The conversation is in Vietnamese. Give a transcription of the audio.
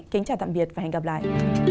kính chào tạm biệt và hẹn gặp lại